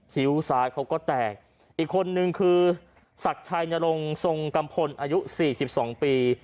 คิ้วซ้ายเขาก็แตกอีกคนนึงคือศักดิ์ชัยนรงทรงกัมพลอายุ๔๒ปี